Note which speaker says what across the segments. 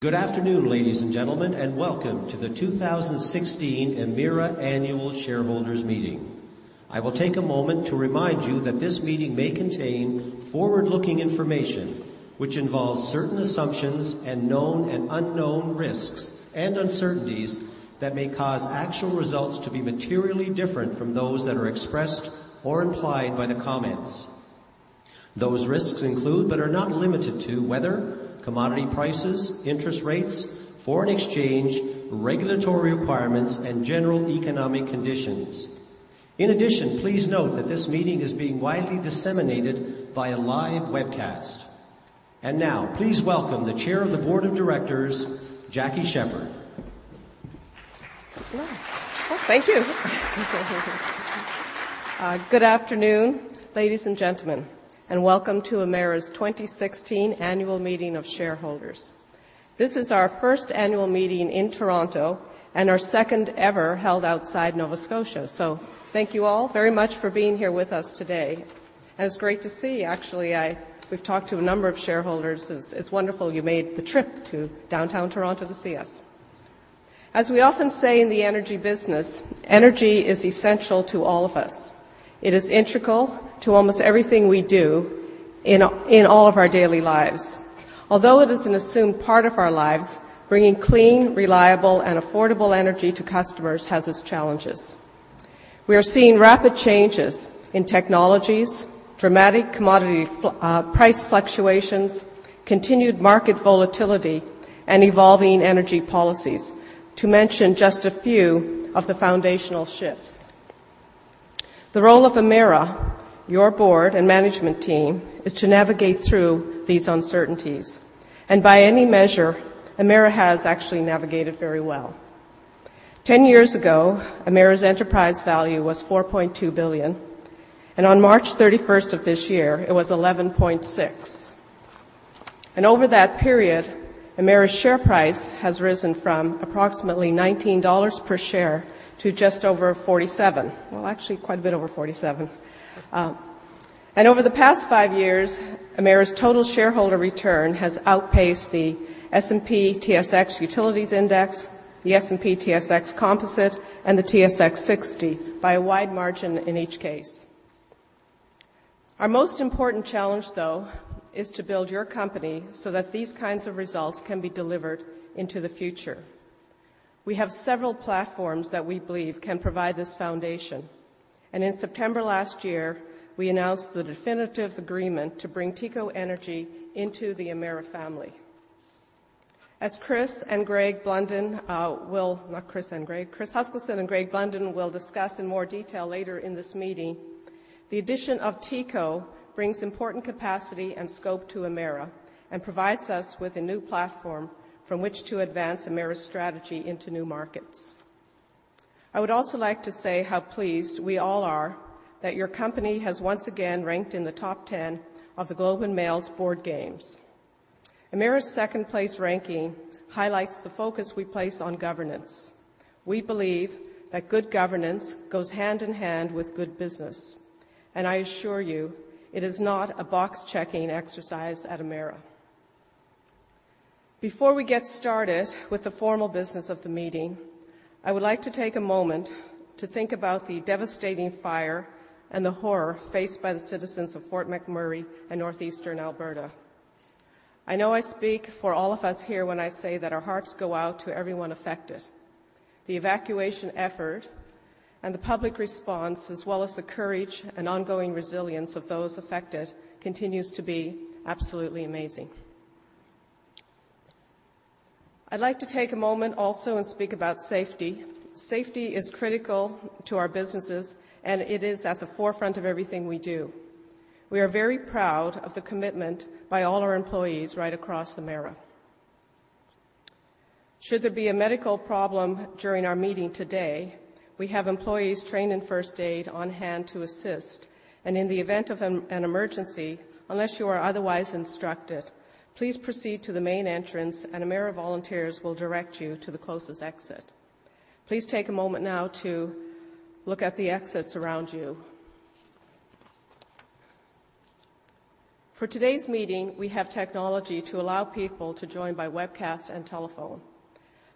Speaker 1: Good afternoon, ladies and gentlemen, and welcome to the 2016 Emera Annual Shareholders Meeting. I will take a moment to remind you that this meeting may contain forward-looking information which involves certain assumptions and known and unknown risks and uncertainties that may cause actual results to be materially different from those that are expressed or implied by the comments. Those risks include, but are not limited to, weather, commodity prices, interest rates, foreign exchange, regulatory requirements, and general economic conditions. In addition, please note that this meeting is being widely disseminated by a live webcast. Now, please welcome the chair of the Board of Directors, Jackie Sheppard.
Speaker 2: Thank you. Good afternoon, ladies and gentlemen, and welcome to Emera's 2016 Annual Meeting of Shareholders. This is our first annual meeting in Toronto and our second ever held outside Nova Scotia. Thank you all very much for being here with us today, and it's great to see you. Actually, we've talked to a number of shareholders. It's wonderful you made the trip to downtown Toronto to see us. As we often say in the energy business, energy is essential to all of us. It is integral to almost everything we do in all of our daily lives. Although it is an assumed part of our lives, bringing clean, reliable, and affordable energy to customers has its challenges. We are seeing rapid changes in technologies, dramatic commodity price fluctuations, continued market volatility, and evolving energy policies, to mention just a few of the foundational shifts. The role of Emera, your board, and management team is to navigate through these uncertainties. By any measure, Emera has actually navigated very well. 10 years ago, Emera's enterprise value was 4.2 billion, and on March 31st of this year, it was 11.6 billion. Over that period, Emera's share price has risen from approximately 19 dollars per share to just over 47. Well, actually quite a bit over 47. Over the past five years, Emera's total shareholder return has outpaced the S&P/TSX Utilities Index, the S&P/TSX Composite, and the TSX 60 by a wide margin in each case. Our most important challenge, though, is to build your company so that these kinds of results can be delivered into the future. We have several platforms that we believe can provide this foundation. In September last year, we announced the definitive agreement to bring TECO Energy into the Emera family. As Chris Huskilson and Greg Blunden will discuss in more detail later in this meeting, the addition of TECO brings important capacity and scope to Emera and provides us with a new platform from which to advance Emera's strategy into new markets. I would also like to say how pleased we all are that your company has once again ranked in the top 10 of the Globe and Mail's Board Games. Emera's second-place ranking highlights the focus we place on governance. We believe that good governance goes hand in hand with good business, and I assure you it is not a box-checking exercise at Emera. Before we get started with the formal business of the meeting, I would like to take a moment to think about the devastating fire and the horror faced by the citizens of Fort McMurray in northeastern Alberta. I know I speak for all of us here when I say that our hearts go out to everyone affected. The evacuation effort and the public response, as well as the courage and ongoing resilience of those affected, continues to be absolutely amazing. I'd like to take a moment also and speak about safety. Safety is critical to our businesses, and it is at the forefront of everything we do. We are very proud of the commitment by all our employees right across Emera. Should there be a medical problem during our meeting today, we have employees trained in first aid on-hand to assist. In the event of an emergency, unless you are otherwise instructed, please proceed to the main entrance, and Emera volunteers will direct you to the closest exit. Please take a moment now to look at the exits around you. For today's meeting, we have technology to allow people to join by webcast and telephone.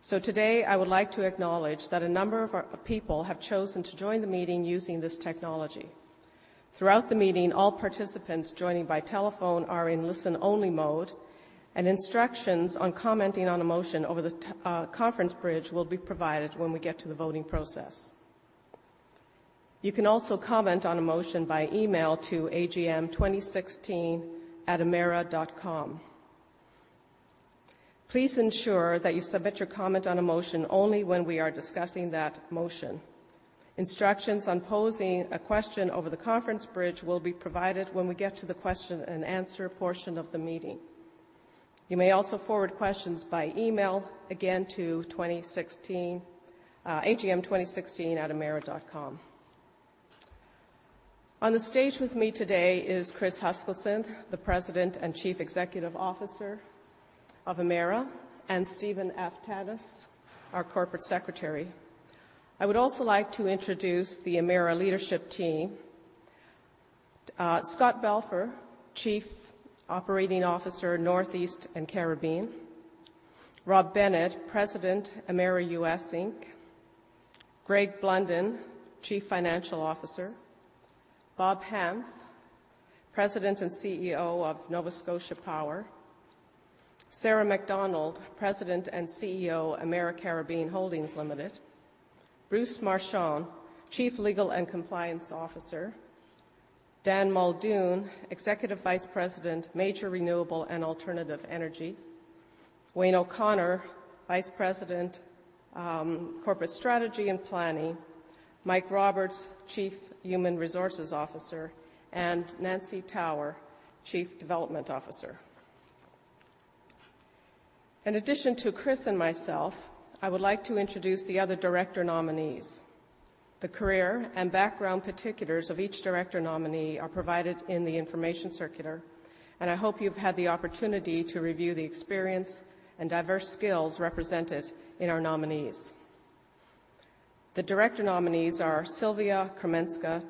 Speaker 2: Today, I would like to acknowledge that a number of people have chosen to join the meeting using this technology. Throughout the meeting, all participants joining by telephone are in listen-only mode, and instructions on commenting on a motion over the conference bridge will be provided when we get to the voting process. You can also comment on a motion by email to AGM2016@emera.com. Please ensure that you submit your comment on a motion only when we are discussing that motion. Instructions on posing a question over the conference bridge will be provided when we get to the question and answer portion of the meeting. You may also forward questions by email, again, to agm2016@emera.com. On the stage with me today is Chris Huskilson, the President and Chief Executive Officer of Emera, and Stephen Aftanas, our Corporate Secretary. I would also like to introduce the Emera leadership team. Scott Balfour, Chief Operating Officer, Northeast and Caribbean. Rob Bennett, President, Emera U.S. Inc. Greg Blunden, Chief Financial Officer. Bob Hanf, President and CEO of Nova Scotia Power. Sarah MacDonald, President and CEO, Emera Caribbean Holdings Limited. Bruce Marchand, Chief Legal and Compliance Officer. Dan Muldoon, Executive Vice President, Major Renewable and Alternative Energy. Wayne O'Connor, Vice President, Corporate Strategy and Planning. Mike Roberts, Chief Human Resources Officer, and Nancy Tower, Chief Development Officer. In addition to Chris and myself, I would like to introduce the other director nominees. The career and background particulars of each director nominee are provided in the information circular, and I hope you've had the opportunity to review the experience and diverse skills represented in our nominees. The director nominees are Sylvia Chrominska,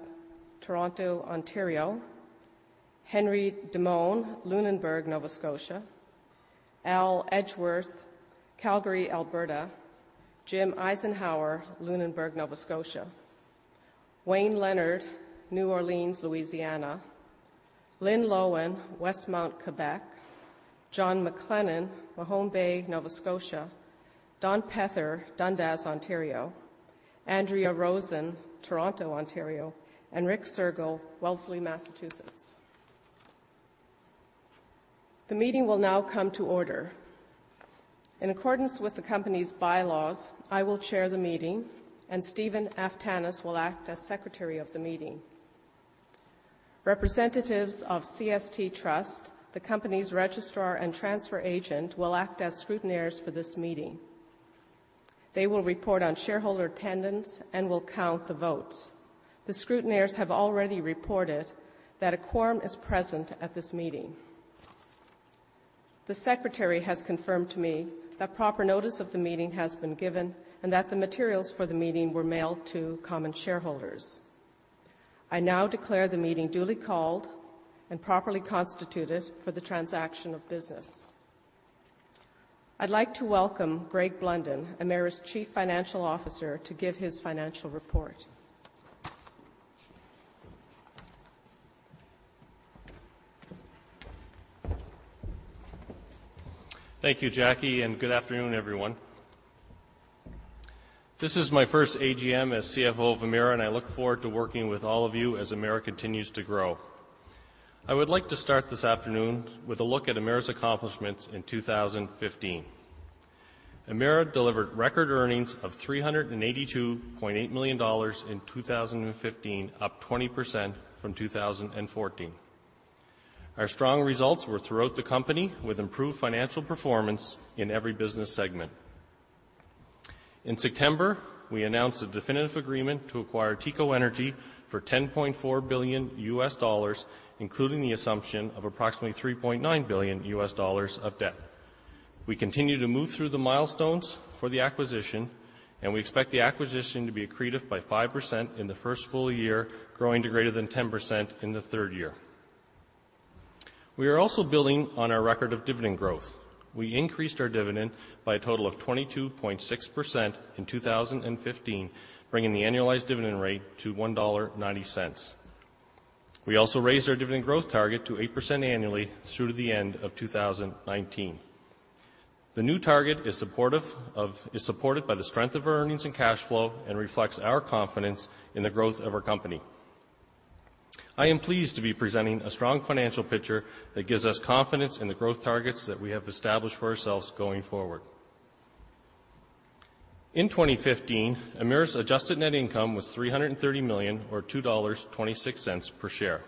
Speaker 2: Toronto, Ontario. Henry Demone, Lunenburg, Nova Scotia. Al Edgeworth, Calgary, Alberta. Jim Eisenhauer, Lunenburg, Nova Scotia. Wayne Leonard, New Orleans, Louisiana. Lynn Loewen, Westmount, Quebec. John McLennan, Mahone Bay, Nova Scotia. Don Pether, Dundas, Ontario. Andrea Rosen, Toronto, Ontario, and Rick Sergel, Wellesley, Massachusetts. The meeting will now come to order. In accordance with the company's bylaws, I will chair the meeting, and Stephen Aftanas will act as secretary of the meeting. Representatives of CST Trust, the company's registrar and transfer agent, will act as scrutineers for this meeting. They will report on shareholder attendance and will count the votes. The scrutineers have already reported that a quorum is present at this meeting. The secretary has confirmed to me that proper notice of the meeting has been given and that the materials for the meeting were mailed to common shareholders. I now declare the meeting duly called and properly constituted for the transaction of business. I'd like to welcome Greg Blunden, Emera's Chief Financial Officer, to give his financial report.
Speaker 3: Thank you, Jackie, and good afternoon, everyone. This is my first AGM as CFO of Emera, and I look forward to working with all of you as Emera continues to grow. I would like to start this afternoon with a look at Emera's accomplishments in 2015. Emera delivered record earnings of 382.8 million dollars in 2015, up 20% from 2014. Our strong results were throughout the company, with improved financial performance in every business segment. In September, we announced the definitive agreement to acquire TECO Energy for $10.4 billion, including the assumption of approximately $3.9 billion of debt. We continue to move through the milestones for the acquisition, and we expect the acquisition to be accretive by 5% in the first full year, growing to greater than 10% in the third year. We are also building on our record of dividend growth. We increased our dividend by a total of 22.6% in 2015, bringing the annualized dividend rate to 1.90 dollar. We also raised our dividend growth target to 8% annually through the end of 2019. The new target is supported by the strength of our earnings and cash flow and reflects our confidence in the growth of our company. I am pleased to be presenting a strong financial picture that gives us confidence in the growth targets that we have established for ourselves going forward. In 2015, Emera's adjusted net income was CAD 330 million or CAD 2.26 per share.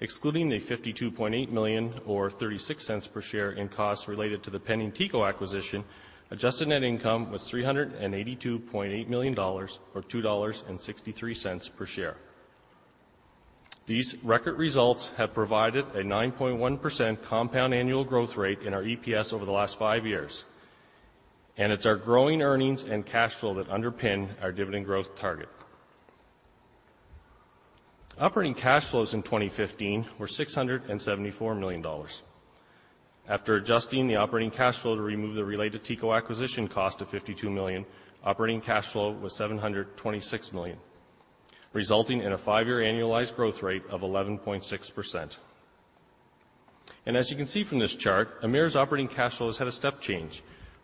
Speaker 3: Excluding the CAD 52.8 million or 0.36 per share in costs related to the pending TECO acquisition, adjusted net income was CAD 382.8 million or CAD 2.63 per share. These record results have provided a 9.1% compound annual growth rate in our EPS over the last five years, and it's our growing earnings and cash flow that underpin our dividend growth target. Operating cash flows in 2015 were 674 million dollars. After adjusting the operating cash flow to remove the related TECO acquisition cost of 52 million, operating cash flow was 726 million, resulting in a five-year annualized growth rate of 11.6%. As you can see from this chart, Emera's operating cash flows had a step change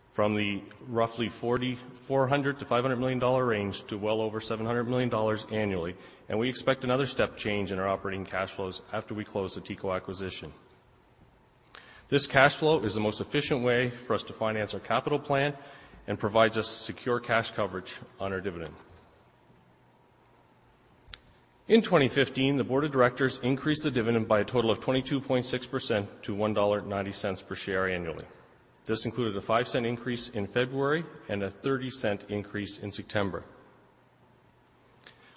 Speaker 3: from the roughly 400 million-500 million dollar range to well over 700 million dollars annually. We expect another step change in our operating cash flows after we close the TECO acquisition. This cash flow is the most efficient way for us to finance our capital plan and provides us secure cash coverage on our dividend. In 2015, the Board of Directors increased the dividend by a total of 22.6% to 1.90 dollar per share annually. This included a 0.05 Increase in February and a 0.30 increase in September.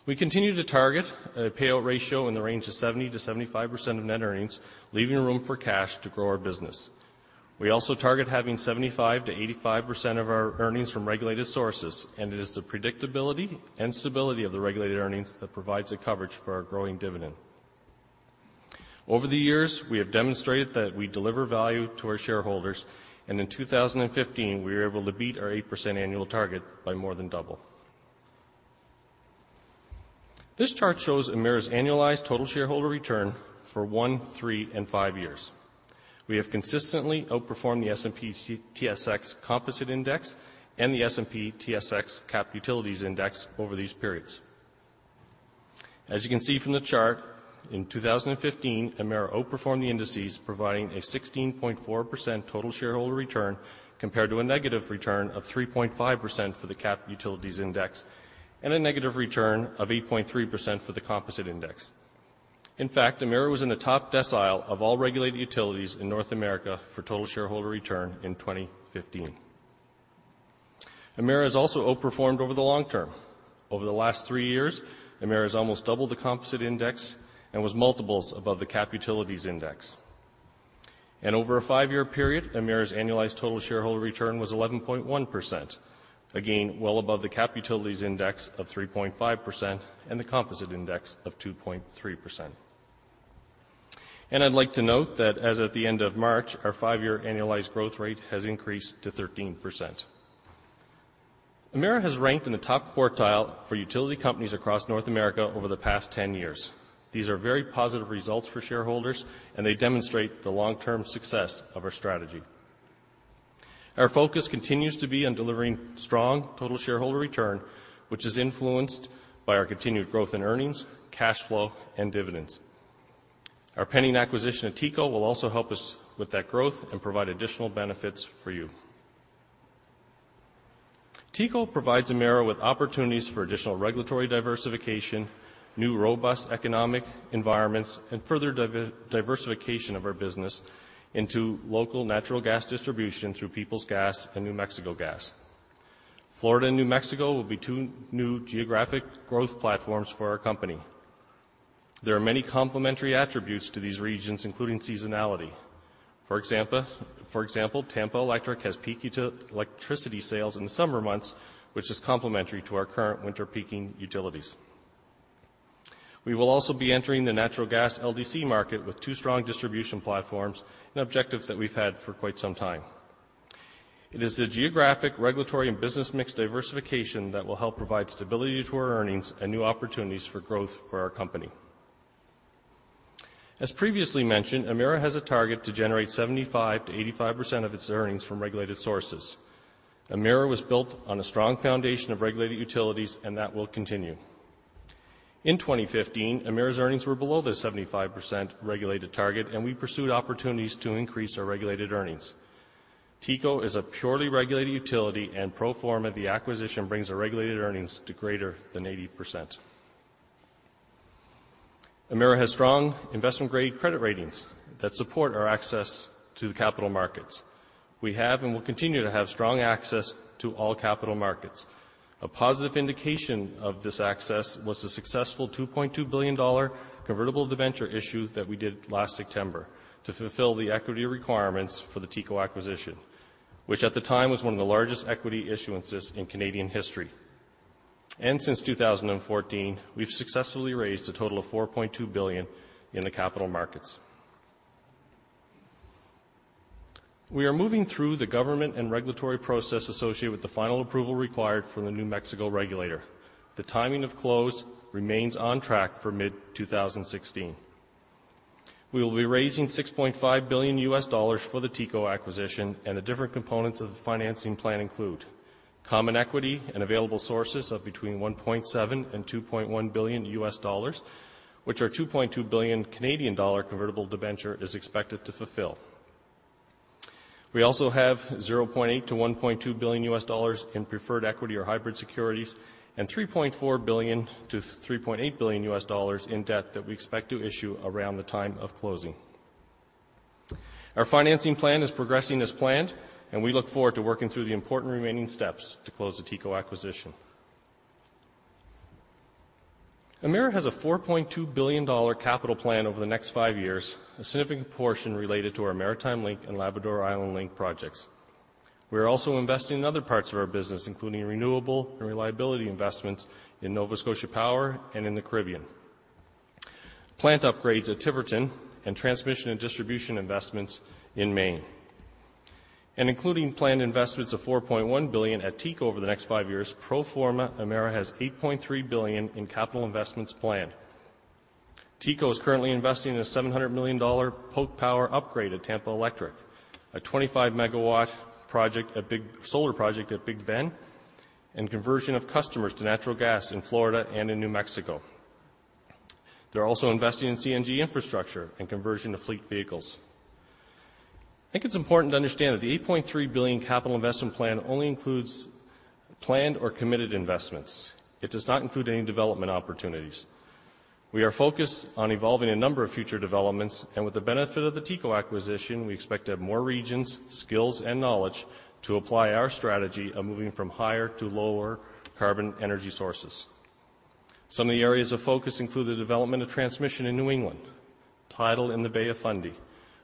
Speaker 3: We continue to target a payout ratio in the range of 70%-75% of net earnings, leaving room for cash to grow our business. We also target having 75%-85% of our earnings from regulated sources, and it is the predictability and stability of the regulated earnings that provides a coverage for our growing dividend. Over the years, we have demonstrated that we deliver value to our shareholders, and in 2015, we were able to beat our 8% annual target by more than double. This chart shows Emera's annualized total shareholder return for one, three, and five years. We have consistently outperformed the S&P TSX Composite Index and the S&P TSX Capped Utilities Index over these periods. As you can see from the chart, in 2015, Emera outperformed the indices, providing a 16.4% total shareholder return compared to a negative return of 3.5% for the Capped Utilities Index and a negative return of 8.3% for the Composite Index. In fact, Emera was in the top decile of all regulated utilities in North America for total shareholder return in 2015. Emera has also outperformed over the long term. Over the last three years, Emera has almost doubled the Composite Index and was multiples above the Capped Utilities Index. Over a five-year period, Emera's annualized total shareholder return was 11.1%, again, well above the Capped Utilities Index of 3.5% and the Composite Index of 2.3%. I'd like to note that as at the end of March, our five-year annualized growth rate has increased to 13%. Emera has ranked in the top quartile for utility companies across North America over the past 10 years. These are very positive results for shareholders, and they demonstrate the long-term success of our strategy. Our focus continues to be on delivering strong total shareholder return, which is influenced by our continued growth in earnings, cash flow, and dividends. Our pending acquisition of TECO will also help us with that growth and provide additional benefits for you. TECO provides Emera with opportunities for additional regulatory diversification, new robust economic environments, and further diversification of our business into local natural gas distribution through Peoples Gas and New Mexico Gas. Florida and New Mexico will be two new geographic growth platforms for our company. There are many complementary attributes to these regions, including seasonality. For example, Tampa Electric has peak electricity sales in the summer months, which is complementary to our current winter-peaking utilities. We will also be entering the natural gas LDC market with two strong distribution platforms, an objective that we've had for quite some time. It is the geographic, regulatory, and business mix diversification that will help provide stability to our earnings and new opportunities for growth for our company. As previously mentioned, Emera has a target to generate 75%-85% of its earnings from regulated sources. Emera was built on a strong foundation of regulated utilities, and that will continue. In 2015, Emera's earnings were below the 75% regulated target, and we pursued opportunities to increase our regulated earnings. TECO is a purely regulated utility, and pro forma, the acquisition brings our regulated earnings to greater than 80%. Emera has strong investment-grade credit ratings that support our access to the capital markets. We have and will continue to have strong access to all capital markets. A positive indication of this access was the successful 2.2 billion dollar convertible debenture issue that we did last September to fulfill the equity requirements for the TECO acquisition, which at the time was one of the largest equity issuances in Canadian history. Since 2014, we've successfully raised a total of 4.2 billion in the capital markets. We are moving through the government and regulatory process associated with the final approval required from the New Mexico regulator. The timing of close remains on track for mid-2016. We will be raising $6.5 billion for the TECO acquisition, and the different components of the financing plan include common equity and available sources of between $1.7-$2.1 billion, which our 2.2 billion Canadian dollar convertible debenture is expected to fulfill. We also have $0.8-$1.2 billion in preferred equity or hybrid securities and $3.4-$3.8 billion in debt that we expect to issue around the time of closing. Our financing plan is progressing as planned, and we look forward to working through the important remaining steps to close the TECO acquisition. Emera has a CAD 4.2 billion capital plan over the next five years, a significant portion related to our Maritime Link and Labrador-Island Link projects. We are also investing in other parts of our business, including renewable and reliability investments in Nova Scotia Power and in the Caribbean, plant upgrades at Tiverton, and transmission and distribution investments in Maine. Including planned investments of $4.1 billion at TECO over the next five years, pro forma Emera has $8.3 billion in capital investments planned. TECO is currently investing in a $700 million peak power upgrade at Tampa Electric, a 25 MW solar project at Big Bend, and conversion of customers to natural gas in Florida and in New Mexico. They're also investing in CNG infrastructure and conversion to fleet vehicles. I think it's important to understand that the $8.3 billion capital investment plan only includes planned or committed investments. It does not include any development opportunities. We are focused on evolving a number of future developments, and with the benefit of the TECO acquisition, we expect to have more regions, skills, and knowledge to apply our strategy of moving from higher to lower carbon energy sources. Some of the areas of focus include the development of transmission in New England, tidal in the Bay of Fundy,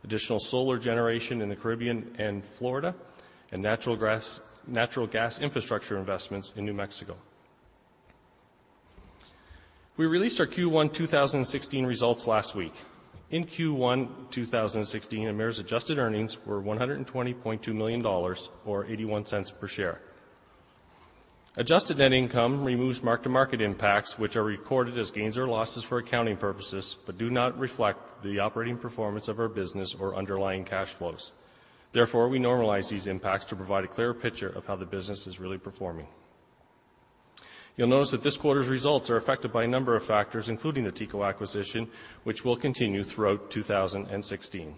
Speaker 3: additional solar generation in the Caribbean and Florida, and natural gas infrastructure investments in New Mexico. We released our Q1 2016 results last week. In Q1 2016, Emera's adjusted earnings were 120.2 million dollars, or 0.81 per share. Adjusted net income removes mark-to-market impacts, which are recorded as gains or losses for accounting purposes, but do not reflect the operating performance of our business or underlying cash flows. Therefore, we normalize these impacts to provide a clearer picture of how the business is really performing. You'll notice that this quarter's results are affected by a number of factors, including the TECO acquisition, which will continue throughout 2016.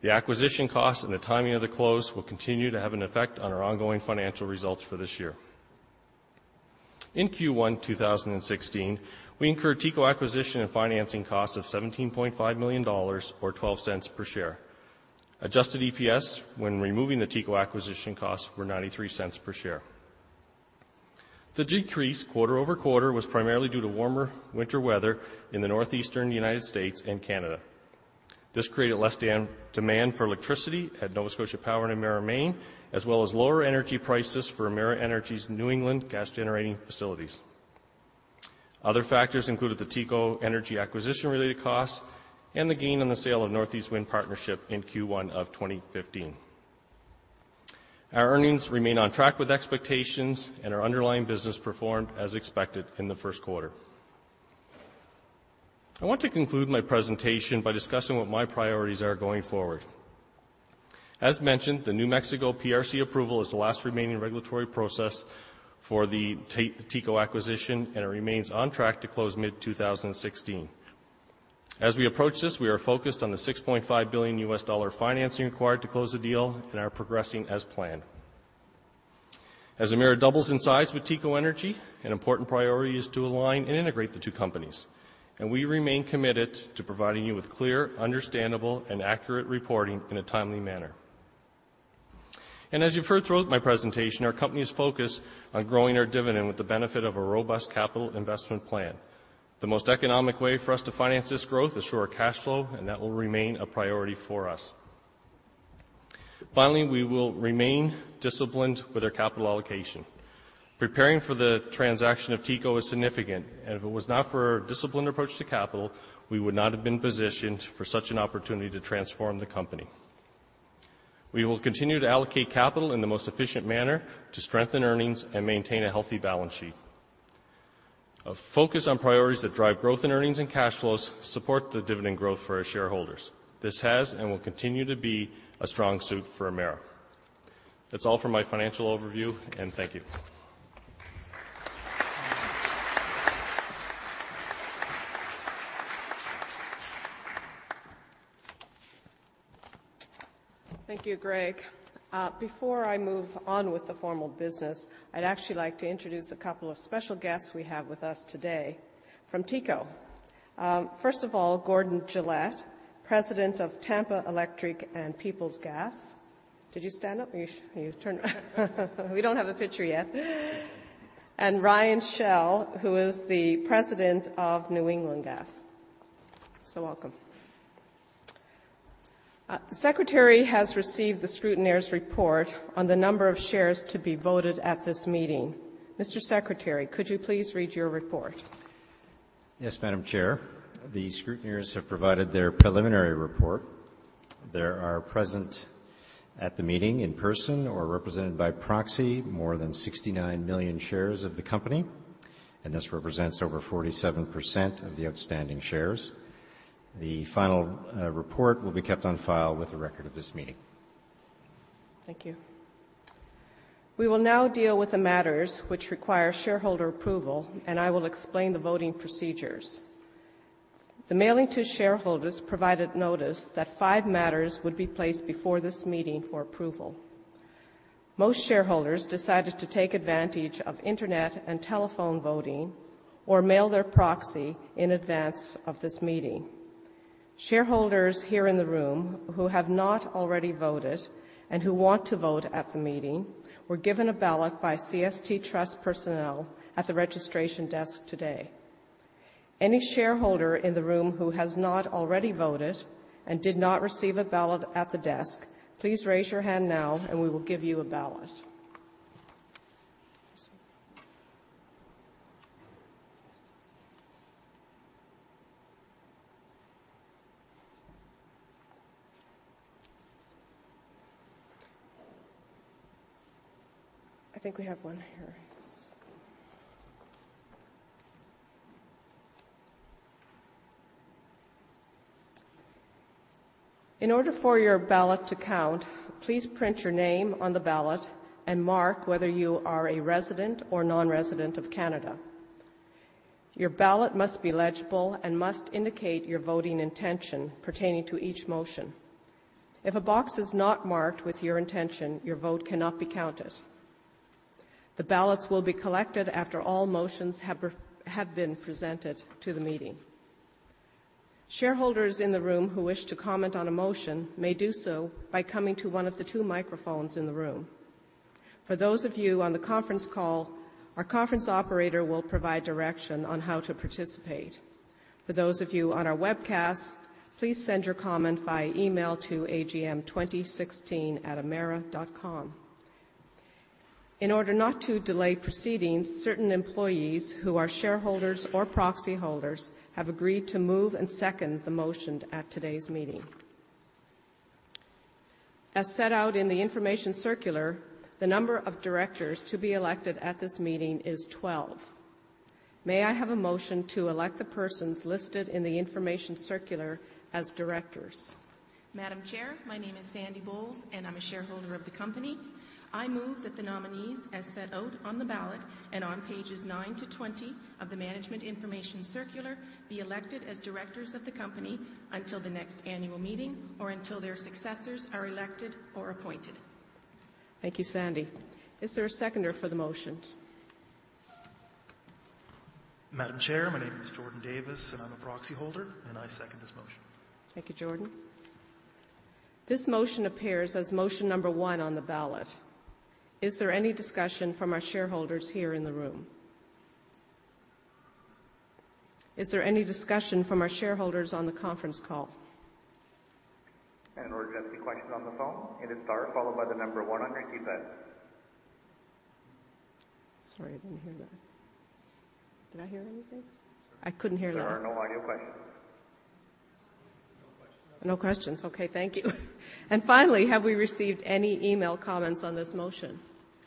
Speaker 3: The acquisition cost and the timing of the close will continue to have an effect on our ongoing financial results for this year. In Q1 2016, we incurred TECO acquisition and financing costs of $17.5 million, or $0.12 per share. Adjusted EPS, when removing the TECO acquisition costs, were $0.93 per share. The decrease quarter-over-quarter was primarily due to warmer winter weather in the Northeastern United States and Canada. This created less demand for electricity at Nova Scotia Power and Emera Maine, as well as lower energy prices for Emera Energy's New England gas generating facilities. Other factors included the TECO Energy acquisition-related costs and the gain on the sale of Northeast Wind Partnership in Q1 of 2015. Our earnings remain on track with expectations, and our underlying business performed as expected in the first quarter. I want to conclude my presentation by discussing what my priorities are going forward. As mentioned, the New Mexico PRC approval is the last remaining regulatory process for the TECO acquisition, and it remains on track to close mid-2016. As we approach this, we are focused on the $6.5 billion financing required to close the deal and are progressing as planned. As Emera doubles in size with TECO Energy, an important priority is to align and integrate the two companies, and we remain committed to providing you with clear, understandable, and accurate reporting in a timely manner. As you've heard throughout my presentation, our company is focused on growing our dividend with the benefit of a robust capital investment plan. The most economic way for us to finance this growth is through our cash flow, and that will remain a priority for us. Finally, we will remain disciplined with our capital allocation. Preparing for the transaction of TECO is significant, and if it was not for our disciplined approach to capital, we would not have been positioned for such an opportunity to transform the company. We will continue to allocate capital in the most efficient manner to strengthen earnings and maintain a healthy balance sheet. A focus on priorities that drive growth in earnings and cash flows support the dividend growth for our shareholders. This has and will continue to be a strong suit for Emera. That's all for my financial overview, and thank you.
Speaker 2: Thank you, Greg. Before I move on with the formal business, I'd actually like to introduce a couple of special guests we have with us today from TECO. First of all, Gordon Gillette, President of Tampa Electric and Peoples Gas. Did you stand up? Can you turn around? We don't have a picture yet. Ryan Shell, who is the President of New Mexico Gas Company. Welcome. The secretary has received the scrutineers' report on the number of shares to be voted at this meeting. Mr. Secretary, could you please read your report?
Speaker 4: Yes, Madam Chair. The scrutineers have provided their preliminary report. There are present at the meeting in person or represented by proxy, more than 69 million shares of the company, and this represents over 47% of the outstanding shares. The final report will be kept on file with the record of this meeting.
Speaker 2: Thank you. We will now deal with the matters which require shareholder approval, and I will explain the voting procedures. The mailing to shareholders provided notice that five matters would be placed before this meeting for approval. Most shareholders decided to take advantage of internet and telephone voting or mail their proxy in advance of this meeting. Shareholders here in the room who have not already voted and who want to vote at the meeting were given a ballot by CST Trust personnel at the registration desk today. Any shareholder in the room who has not already voted and did not receive a ballot at the desk, please raise your hand now, and we will give you a ballot. I think we have one here. In order for your ballot to count, please print your name on the ballot and mark whether you are a resident or non-resident of Canada. Your ballot must be legible and must indicate your voting intention pertaining to each motion. If a box is not marked with your intention, your vote cannot be counted. The ballots will be collected after all motions have been presented to the meeting. Shareholders in the room who wish to comment on a motion may do so by coming to one of the two microphones in the room. For those of you on the conference call, our conference operator will provide direction on how to participate. For those of you on our webcast, please send your comment via email to AGM2016@emera.com. In order not to delay proceedings, certain employees who are shareholders or proxy holders have agreed to move and second the motion at today's meeting. As set out in the information circular, the number of directors to be elected at this meeting is 12. May I have a motion to elect the persons listed in the information circular as directors?
Speaker 5: Madam Chair, my name is Sandy Bowles, and I'm a shareholder of the company. I move that the nominees, as set out on the ballot and on pages 9-20 of the Management Information Circular, be elected as directors of the company until the next annual meeting or until their successors are elected or appointed.
Speaker 2: Thank you, Sandy. Is there a seconder for the motion?
Speaker 6: Madam Chair, my name is Jordan Davis, and I'm a Proxy Holder, and I second this motion.
Speaker 2: Thank you, Jordan. This motion appears as motion number one on the ballot. Is there any discussion from our shareholders here in the room? Is there any discussion from our shareholders on the conference call?
Speaker 1: In order to ask a question on the phone, hit star followed by the number one on your keypad.
Speaker 2: Sorry, I didn't hear that. Did I hear anything? I couldn't hear that.
Speaker 1: There are no audio questions.
Speaker 2: No questions. Okay, thank you. Finally, have we received any email comments on this motion?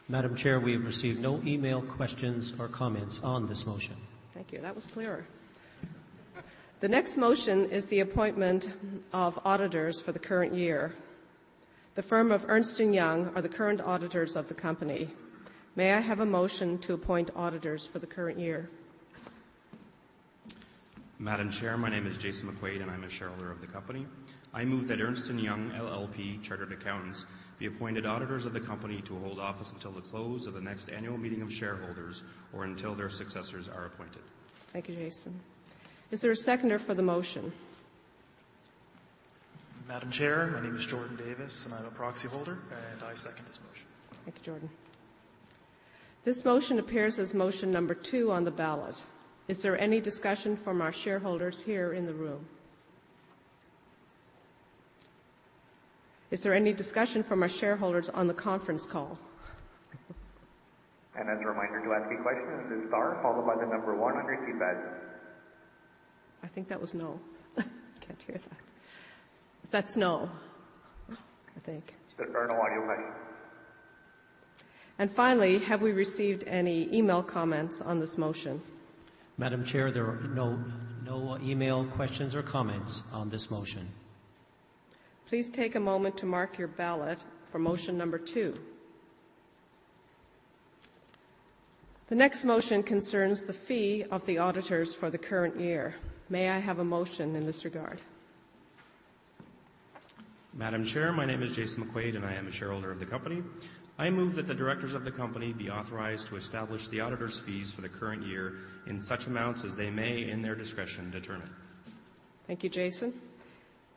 Speaker 7: Madam Chair, we have received no email questions or comments on this motion.
Speaker 2: Thank you. That was clearer. The next motion is the appointment of auditors for the current year. The firm of Ernst & Young are the current auditors of the company. May I have a motion to appoint auditors for the current year?
Speaker 8: Madam Chair, my name is Jason McQuaid, and I'm a shareholder of the company. I move that Ernst & Young LLP Chartered Accountants be appointed auditors of the company to hold office until the close of the next annual meeting of shareholders or until their successors are appointed.
Speaker 2: Thank you, Jason. Is there a seconder for the motion?
Speaker 6: Madam Chair, my name is Jordan Davis, and I'm a proxy holder, and I second this motion.
Speaker 2: Thank you, Jordan. This motion appears as motion number two on the ballot. Is there any discussion from our shareholders here in the room? Is there any discussion from our shareholders on the conference call?
Speaker 1: As a reminder, to ask a question, hit star followed by the number one on your keypad.
Speaker 2: I think that was no. Can't hear that. That's no, I think.
Speaker 1: There are no audio questions.
Speaker 2: Finally, have we received any email comments on this motion?
Speaker 7: Madam Chair, there are no email questions or comments on this motion.
Speaker 2: Please take a moment to mark your ballot for motion number two. The next motion concerns the fee of the auditors for the current year. May I have a motion in this regard?
Speaker 8: Madam Chair, my name is Jason McQuaid, and I am a shareholder of the company. I move that the directors of the company be authorized to establish the auditors' fees for the current year in such amounts as they may, in their discretion, determine.
Speaker 2: Thank you, Jason.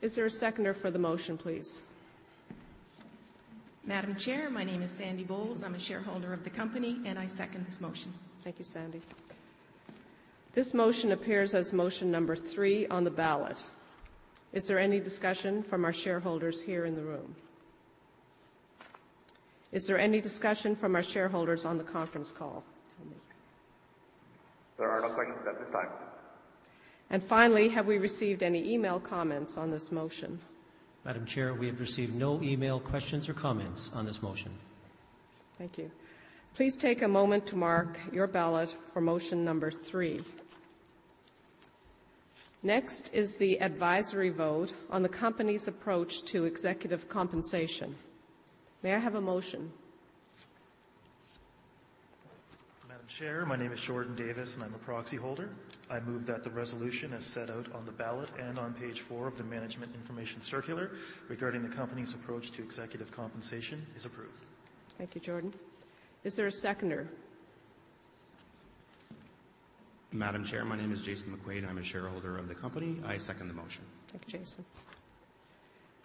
Speaker 2: Is there a seconder for the motion, please?
Speaker 5: Madam Chair, my name is Sandy Bowles. I'm a shareholder of the company, and I second this motion.
Speaker 2: Thank you, Sandy. This motion appears as motion number three on the ballot. Is there any discussion from our shareholders here in the room? Is there any discussion from our shareholders on the conference call?
Speaker 1: There are no questions at this time.
Speaker 2: Finally, have we received any email comments on this motion?
Speaker 7: Madam Chair, we have received no email questions or comments on this motion.
Speaker 2: Thank you. Please take a moment to mark your ballot for motion number three. Next is the advisory vote on the company's approach to executive compensation. May I have a motion?
Speaker 6: Madam Chair, my name is Jordan Davis, and I'm a proxy holder. I move that the resolution as set out on the ballot and on page four of the management information circular regarding the company's approach to executive compensation is approved.
Speaker 2: Thank you, Jordan. Is there a seconder?
Speaker 8: Madam Chair, my name is Jason McQuaid. I'm a shareholder of the company. I second the motion.
Speaker 2: Thank you, Jason.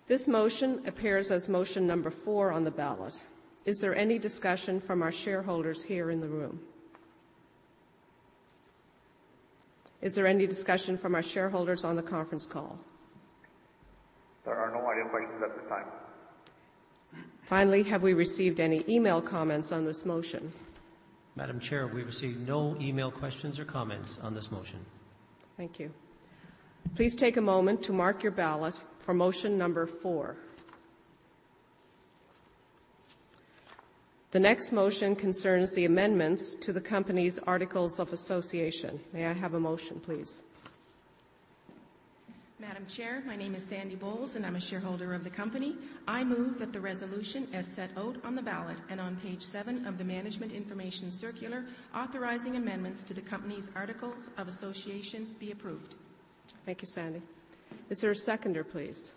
Speaker 2: This motion appears as motion number four on the ballot. Is there any discussion from our shareholders here in the room? Is there any discussion from our shareholders on the conference call?
Speaker 1: There are no audio questions at this time.
Speaker 2: Finally, have we received any email comments on this motion?
Speaker 7: Madam Chair, we received no email questions or comments on this motion.
Speaker 2: Thank you. Please take a moment to mark your ballot for motion number four. The next motion concerns the amendments to the company's articles of association. May I have a motion, please?
Speaker 5: Madam Chair, my name is Sandy Bowles, and I'm a shareholder of the company. I move that the resolution as set out on the ballot and on page seven of the management information circular authorizing amendments to the company's articles of association be approved.
Speaker 2: Thank you, Sandy. Is there a seconder, please?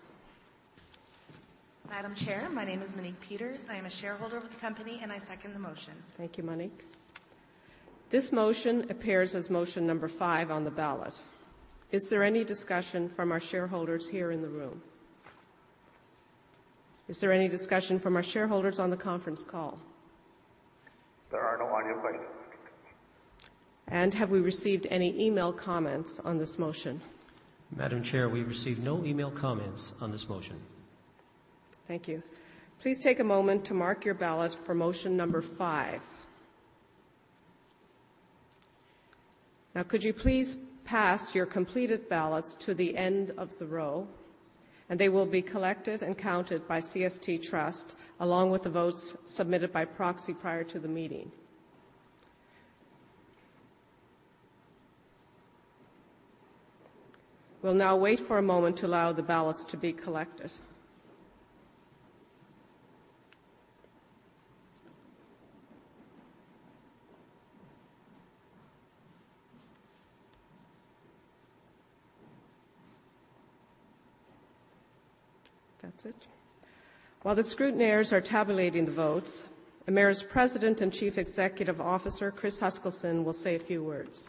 Speaker 9: Madam Chair, my name is Monique Peters. I am a shareholder of the company, and I second the motion.
Speaker 2: Thank you, Monique. This motion appears as motion number five on the ballot. Is there any discussion from our shareholders here in the room? Is there any discussion from our shareholders on the conference call?
Speaker 1: There are no audio questions.
Speaker 2: Have we received any email comments on this motion?
Speaker 7: Madam Chair, we received no email comments on this motion.
Speaker 2: Thank you. Please take a moment to mark your ballot for motion number five. Now could you please pass your completed ballots to the end of the row, and they will be collected and counted by CST Trust, along with the votes submitted by proxy prior to the meeting. We'll now wait for a moment to allow the ballots to be collected. That's it. While the scrutineers are tabulating the votes, Emera's President and Chief Executive Officer, Chris Huskilson, will say a few words.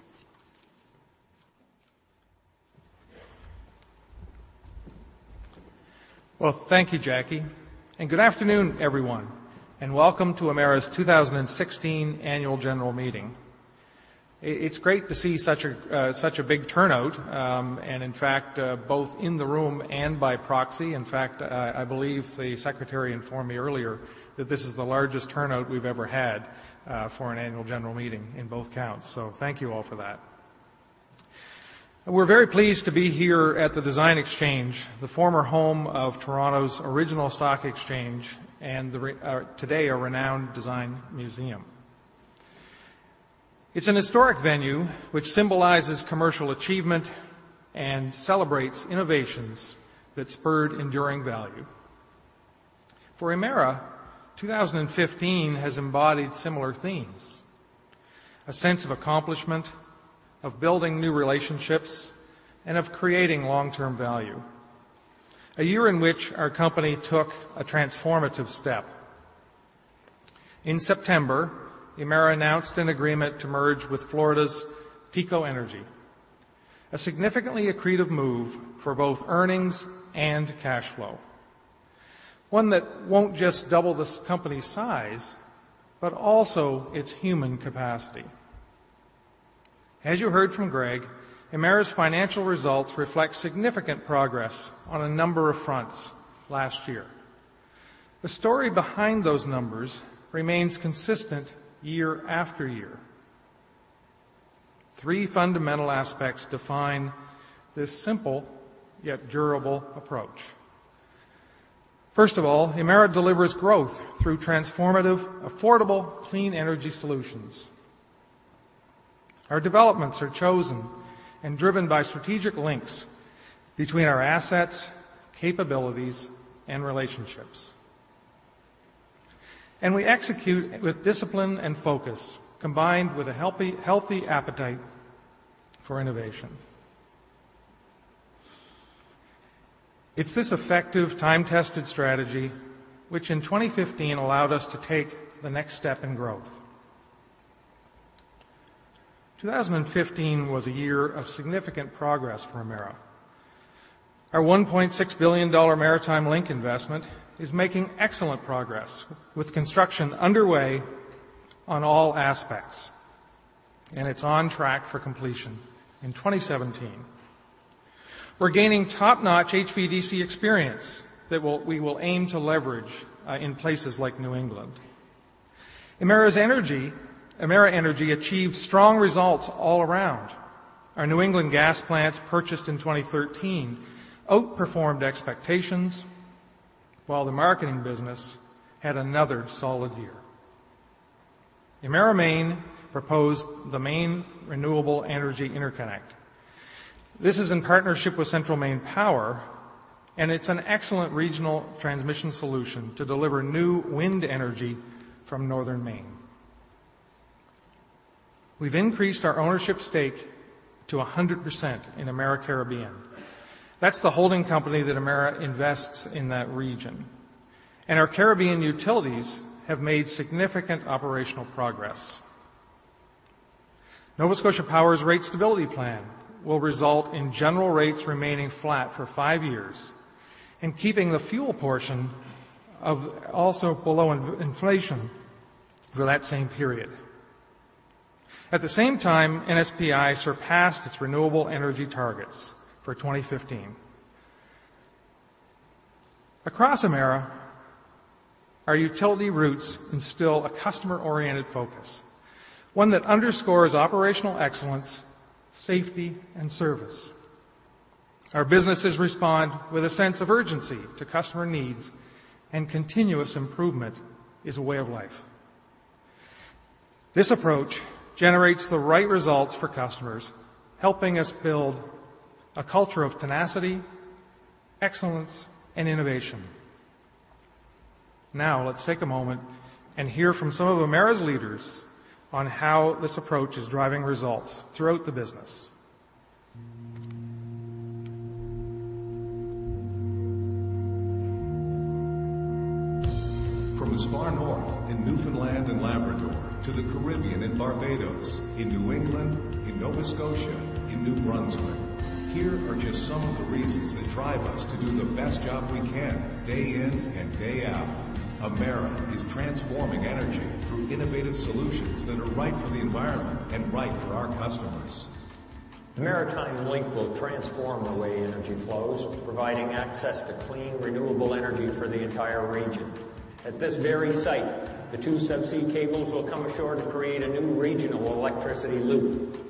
Speaker 10: Well, thank you, Jackie, and good afternoon, everyone, and welcome to Emera's 2016 Annual General Meeting. It's great to see such a big turnout, and in fact, both in the room and by proxy. In fact, I believe the secretary informed me earlier that this is the largest turnout we've ever had for an annual general meeting in both counts. So thank you all for that. We're very pleased to be here at the Design Exchange, the former home of Toronto's original stock exchange, and today, a renowned design museum. It's an historic venue which symbolizes commercial achievement and celebrates innovations that spurred enduring value. For Emera, 2015 has embodied similar themes, a sense of accomplishment, of building new relationships, and of creating long-term value. A year in which our company took a transformative step. In September, Emera announced an agreement to merge with Florida's TECO Energy, a significantly accretive move for both earnings and cash flow. One that won't just double this company's size, but also its human capacity. As you heard from Greg, Emera's financial results reflect significant progress on a number of fronts last year. The story behind those numbers remains consistent year-after-year. Three fundamental aspects define this simple yet durable approach. First of all, Emera delivers growth through transformative, affordable, clean energy solutions. Our developments are chosen and driven by strategic links between our assets, capabilities, and relationships. We execute with discipline and focus, combined with a healthy appetite for innovation. It's this effective time-tested strategy, which in 2015 allowed us to take the next step in growth. 2015 was a year of significant progress for Emera. Our 1.6 billion dollar Maritime Link investment is making excellent progress with construction underway on all aspects, and it's on track for completion in 2017. We're gaining top-notch HVDC experience that we will aim to leverage in places like New England. Emera Energy achieved strong results all around. Our New England gas plants purchased in 2013 outperformed expectations, while the marketing business had another solid year. Emera Maine proposed the Maine Renewable Energy Interconnect. This is in partnership with Central Maine Power, and it's an excellent regional transmission solution to deliver new wind energy from northern Maine. We've increased our ownership stake to 100% in Emera Caribbean. That's the holding company that Emera invests in that region. Our Caribbean utilities have made significant operational progress. Nova Scotia Power's rate stability plan will result in general rates remaining flat for five years and keeping the fuel portion also below inflation for that same period. At the same time, NSPI surpassed its renewable energy targets for 2015. Across Emera, our utility roots instill a customer-oriented focus, one that underscores operational excellence, safety, and service. Our businesses respond with a sense of urgency to customer needs, and continuous improvement is a way of life. This approach generates the right results for customers, helping us build a culture of tenacity, excellence, and innovation. Now, let's take a moment and hear from some of Emera's leaders on how this approach is driving results throughout the business.
Speaker 11: From as far north in Newfoundland and Labrador to the Caribbean and Barbados, in New England, in Nova Scotia, in New Brunswick. Here are just some of the reasons that drive us to do the best job we can day in and day out. Emera is transforming energy through innovative solutions that are right for the environment and right for our customers. Maritime Link will transform the way energy flows, providing access to clean, renewable energy for the entire region. At this very site, the two subsea cables will come ashore to create a new regional electricity loop.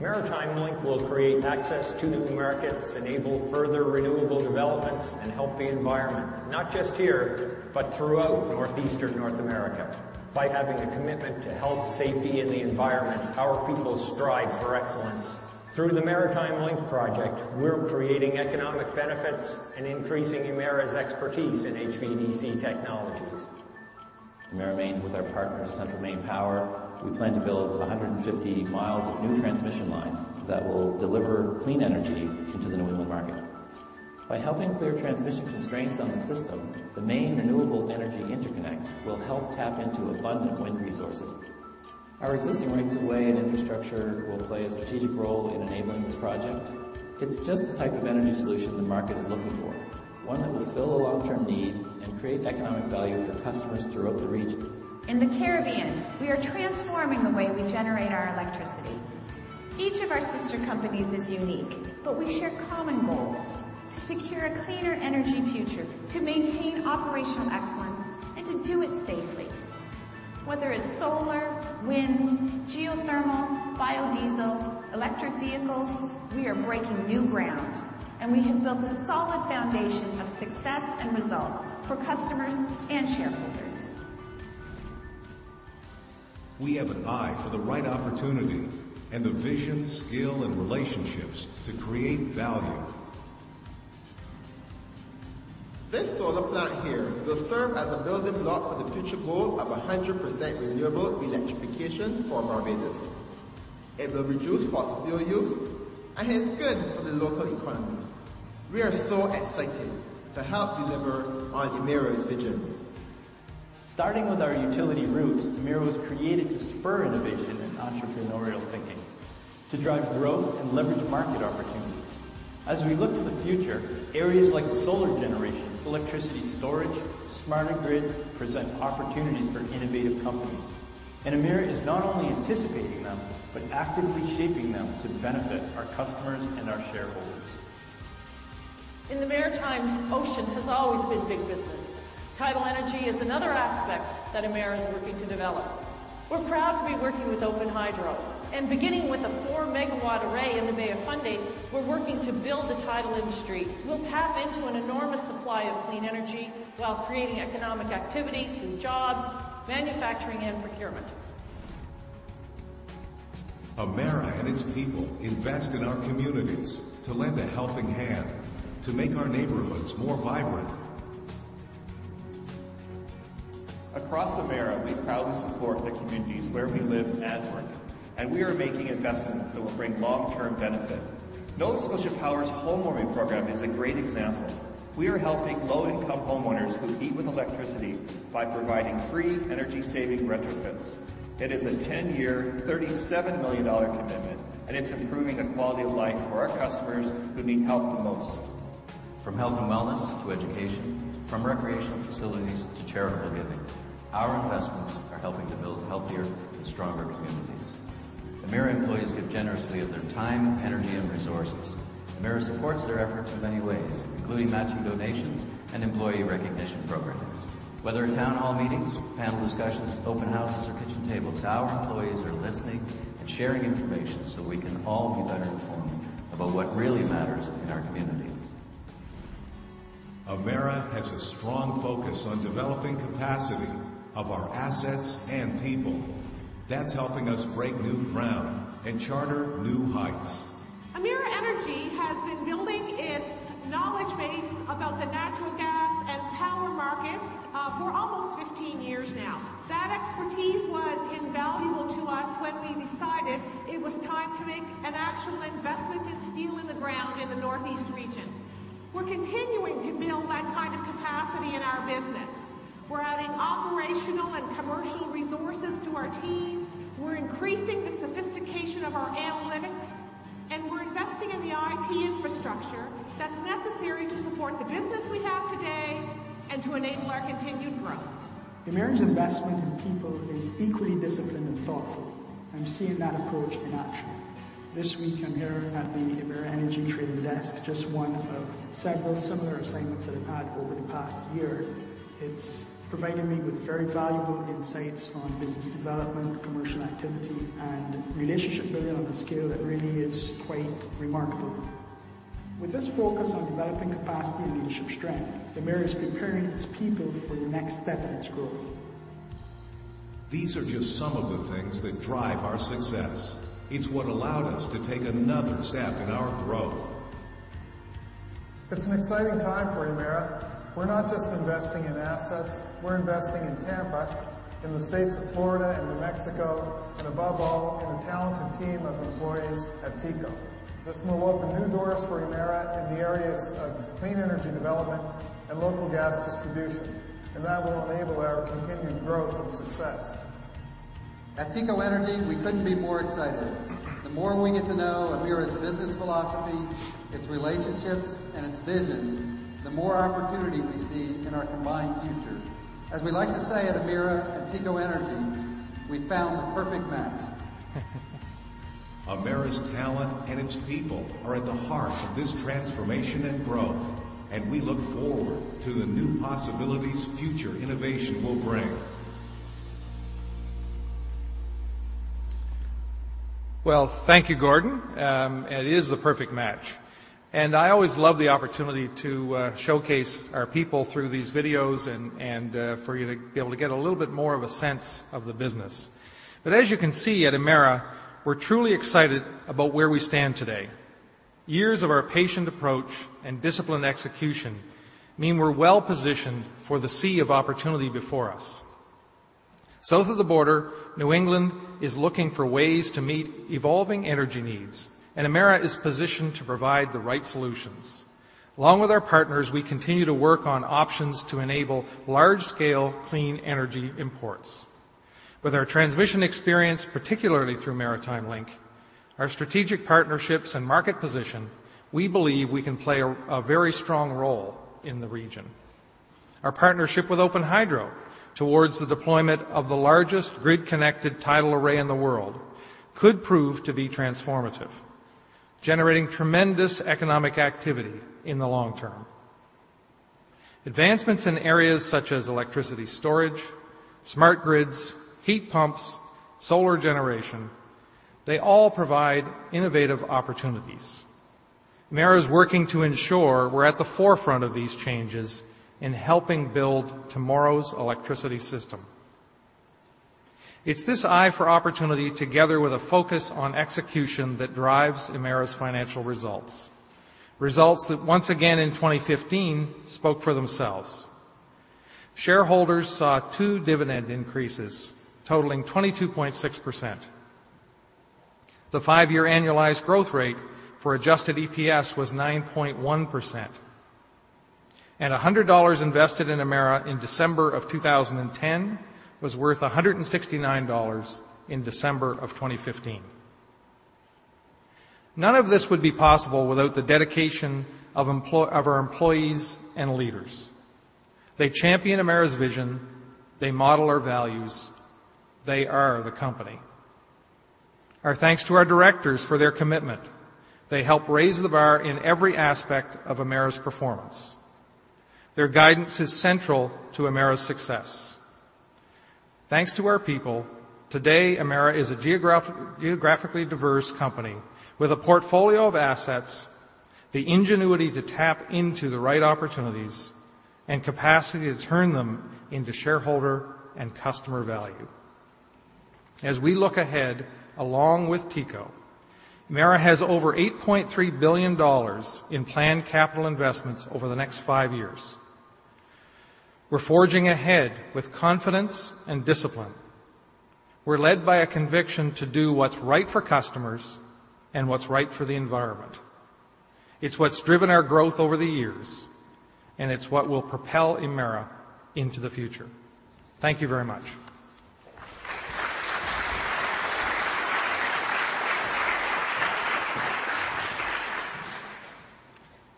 Speaker 11: Maritime Link will create access to new markets, enable further renewable developments, and help the environment, not just here, but throughout northeastern North America. By having a commitment to health, safety, and the environment, our people strive for excellence. Through the Maritime Link project, we're creating economic benefits and increasing Emera's expertise in HVDC technologies. Emera Maine, with our partners Central Maine Power, we plan to build 150 miles of new transmission lines that will deliver clean energy into the New England market. By helping clear transmission constraints on the system, the Maine Renewable Energy Interconnect will help tap into abundant wind resources. Our existing rights of way and infrastructure will play a strategic role in enabling this project. It's just the type of energy solution the market is looking for, one that will fill a long-term need and create economic value for customers throughout the region. In the Caribbean, we are transforming the way we generate our electricity. Each of our sister companies is unique, but we share common goals to secure a cleaner energy future, to maintain operational excellence, and to do it safely. Whether it's solar, wind, geothermal, biodiesel, electric vehicles, we are breaking new ground, and we have built a solid foundation of success and results for customers and shareholders. We have an eye for the right opportunity and the vision, skill, and relationships to create value. This solar plant here will serve as a building block for the future goal of 100% renewable electrification for Barbados. It will reduce fossil fuel use and is good for the local economy. We are so excited to help deliver on Emera's vision. Starting with our utility roots, Emera was created to spur innovation and entrepreneurial thinking, to drive growth and leverage market opportunities. As we look to the future, areas like solar generation, electricity storage, smarter grids present opportunities for innovative companies. Emera is not only anticipating them, but actively shaping them to benefit our customers and our shareholders. In the Maritimes, ocean has always been big business. Tidal energy is another aspect that Emera is working to develop. We're proud to be working with OpenHydro. Beginning with a 4 MW array in the Bay of Fundy, we're working to build a tidal industry. We'll tap into an enormous supply of clean energy while creating economic activity through jobs, manufacturing, and procurement. Emera and its people invest in our communities to lend a helping hand, to make our neighborhoods more vibrant. Across Emera, we proudly support the communities where we live and work, and we are making investments that will bring long-term benefit. Nova Scotia Power's HomeWarming Program is a great example. We are helping low-income homeowners who heat with electricity by providing free energy-saving retrofits. It is a 10-year, 37 million dollar commitment, and it's improving the quality of life for our customers who need help the most. From health and wellness to education, from recreational facilities to charitable giving, our investments are helping to build healthier and stronger communities. Emera employees give generously of their time, energy, and resources. Emera supports their efforts in many ways, including matching donations and employee recognition programs. Whether at town hall meetings, panel discussions, open houses, or kitchen tables, our employees are listening and sharing information so we can all be better informed about what really matters in our communities. Emera has a strong focus on developing capacity of our assets and people. That's helping us break new ground and chart new heights. Emera Energy has been building its knowledge base about the natural gas and power markets for almost 15 years now. That expertise was invaluable to us when we decided it was time to make an actual investment and steel in the ground in the northeast region. We're continuing to build that kind of capacity in our business. We're adding operational and commercial resources to our team. We're increasing the sophistication of our analytics, and we're investing in the IT infrastructure that's necessary to support the business we have today and to enable our continued growth. Emera's investment in people is equally disciplined and thoughtful. I'm seeing that approach in action. This week, I'm here at the Emera Energy trading desk, just one of several similar assignments that I've had over the past year. It's provided me with very valuable insights on business development, commercial activity, and relationship building on a scale that really is quite remarkable. With this focus on developing capacity and leadership strength, Emera is preparing its people for the next step in its growth. These are just some of the things that drive our success. It's what allowed us to take another step in our growth. It's an exciting time for Emera. We're not just investing in assets, we're investing in Tampa, in the states of Florida and New Mexico, and above all, in a talented team of employees at TECO. This will open new doors for Emera in the areas of clean energy development and local gas distribution, and that will enable our continued growth and success.
Speaker 12: At TECO Energy, we couldn't be more excited. The more we get to know Emera's business philosophy, its relationships, and its vision, the more opportunity we see in our combined future. As we like to say at Emera and TECO Energy, we found the perfect match.
Speaker 11: Emera's talent and its people are at the heart of this transformation and growth, and we look forward to the new possibilities future innovation will bring.
Speaker 10: Well, thank you, Gordon. It is the perfect match. I always love the opportunity to showcase our people through these videos and for you to be able to get a little bit more of a sense of the business. As you can see, at Emera, we're truly excited about where we stand today. Years of our patient approach and disciplined execution mean we're well-positioned for the sea of opportunity before us. South of the border, New England is looking for ways to meet evolving energy needs, and Emera is positioned to provide the right solutions. Along with our partners, we continue to work on options to enable large-scale clean energy imports. With our transmission experience, particularly through Maritime Link, our strategic partnerships, and market position, we believe we can play a very strong role in the region. Our partnership with OpenHydro towards the deployment of the largest grid-connected tidal array in the world could prove to be transformative, generating tremendous economic activity in the long term. Advancements in areas such as electricity storage, smart grids, heat pumps and solar generation. They all provide innovative opportunities. Emera's working to ensure we're at the forefront of these changes in helping build tomorrow's electricity system. It's this eye for opportunity together with a focus on execution that drives Emera's financial results. Results that once again in 2015 spoke for themselves. Shareholders saw two dividend increases totaling 22.6%. The five-year annualized growth rate for adjusted EPS was 9.1%. $100 invested in Emera in December of 2010 was worth $169 in December of 2015. None of this would be possible without the dedication of our employees and leaders. They champion Emera's vision. They model our values. They are the company. Our thanks to our directors for their commitment. They help raise the bar in every aspect of Emera's performance. Their guidance is central to Emera's success. Thanks to our people, today Emera is a geographically diverse company with a portfolio of assets, the ingenuity to tap into the right opportunities, and capacity to turn them into shareholder and customer value. As we look ahead, along with TECO, Emera has over $8.3 billion in planned capital investments over the next five years. We're forging ahead with confidence and discipline. We're led by a conviction to do what's right for customers and what's right for the environment. It's what's driven our growth over the years, and it's what will propel Emera into the future. Thank you very much.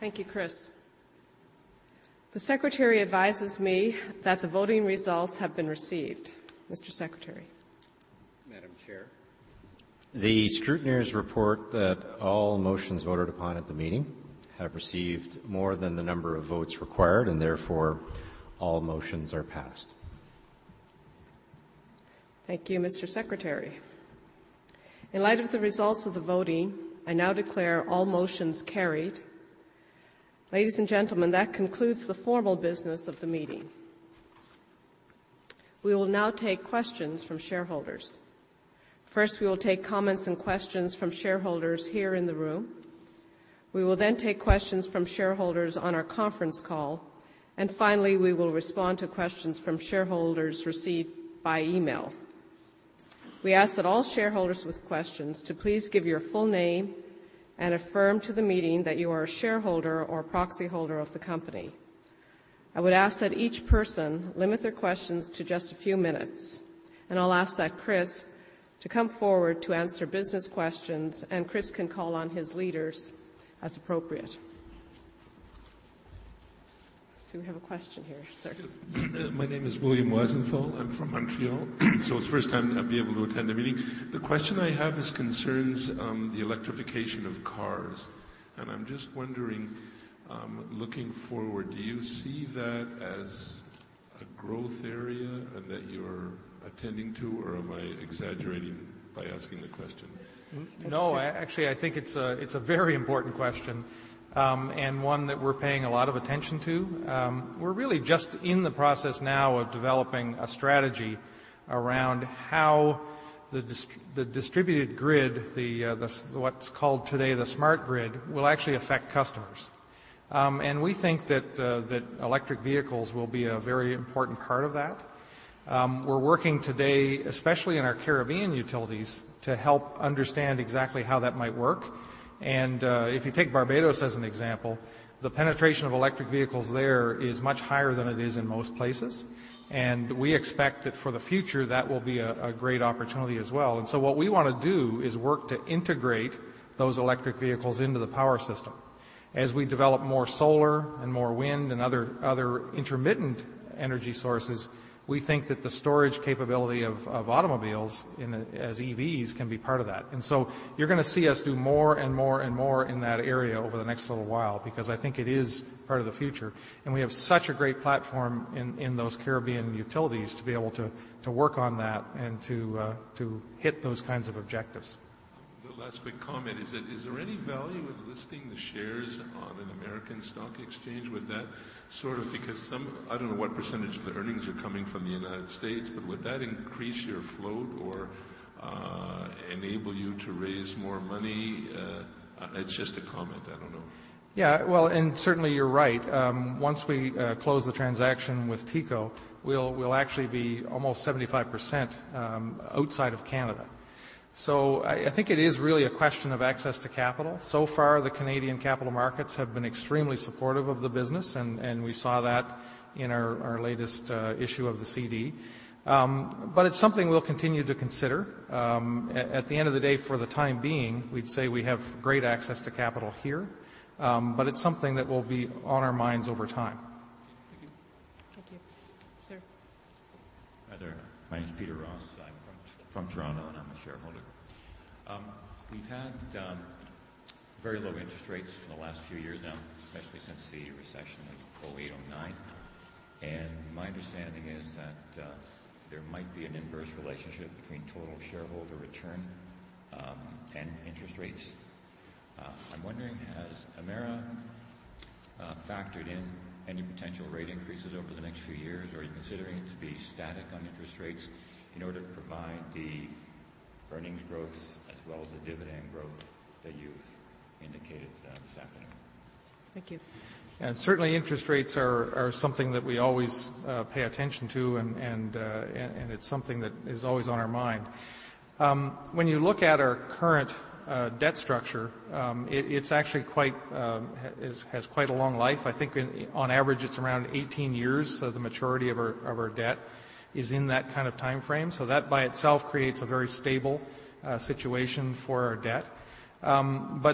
Speaker 2: Thank you, Chris. The Secretary advises me that the voting results have been received. Mr. Secretary.
Speaker 4: Madam Chair. The scrutineers report that all motions voted upon at the meeting have received more than the number of votes required, and therefore, all motions are passed.
Speaker 2: Thank you, Mr. Secretary. In light of the results of the voting, I now declare all motions carried. Ladies and gentlemen, that concludes the formal business of the meeting. We will now take questions from shareholders. First, we will take comments and questions from shareholders here in the room. We will then take questions from shareholders on our conference call. Finally, we will respond to questions from shareholders received by email. We ask that all shareholders with questions to please give your full name and affirm to the meeting that you are a shareholder or proxy holder of the company. I would ask that each person limit their questions to just a few minutes. I'll ask that Chris to come forward to answer business questions, and Chris can call on his leaders as appropriate. We have a question here, sir.
Speaker 13: Yes. My name is William Wazenthal. I'm from Montreal. It's the first time I'd be able to attend a meeting. The question I have is concerning the electrification of cars, and I'm just wondering, looking forward, do you see that as a growth area and that you're attending to, or am I exaggerating by asking the question?
Speaker 10: No, actually, I think it's a very important question and one that we're paying a lot of attention to. We're really just in the process now of developing a strategy around how the distributed grid, what's called today the smart grid, will actually affect customers. We think that electric vehicles will be a very important part of that. We're working today, especially in our Caribbean utilities, to help understand exactly how that might work. If you take Barbados as an example, the penetration of electric vehicles there is much higher than it is in most places, and we expect that for the future, that will be a great opportunity as well. What we want to do is work to integrate those electric vehicles into the power system. As we develop more solar and more wind and other intermittent energy sources, we think that the storage capability of automobiles as EVs can be part of that. You're going to see us do more and more and more in that area over the next little while, because I think it is part of the future, and we have such a great platform in those Caribbean utilities to be able to work on that and to hit those kinds of objectives.
Speaker 13: The last big comment is there any value with listing the shares on an American stock exchange? Would that sort of, because some, I don't know what percentage of the earnings are coming from the United States, but would that increase your float or enable you to raise more money? It's just a comment. I don't know.
Speaker 10: Yeah. Well, certainly you're right. Once we close the transaction with TECO, we'll actually be almost 75% outside of Canada. I think it is really a question of access to capital. So far, the Canadian capital markets have been extremely supportive of the business, and we saw that in our latest issue of the CD. It's something we'll continue to consider. At the end of the day, for the time being, we'd say we have great access to capital here, but it's something that will be on our minds over time.
Speaker 13: Thank you.
Speaker 2: Thank you. Sir.
Speaker 14: Hi there. My name is Peter Ross. I'm from Toronto, and I'm a shareholder. We've had very low interest rates for the last few years now, especially since the recession of 2008, 2009. My understanding is that there might be an inverse relationship between total shareholder return and interest rates. I'm wondering, has Emera factored in any potential rate increases over the next few years, or are you considering it to be static on interest rates in order to provide the earnings growth as well as the dividend growth that you've indicated this afternoon?
Speaker 2: Thank you.
Speaker 10: Certainly, interest rates are something that we always pay attention to, and it's something that is always on our mind. When you look at our current debt structure, it has quite a long life. I think on average, it's around 18 years. The maturity of our debt is in that kind of timeframe. That by itself creates a very stable situation for our debt.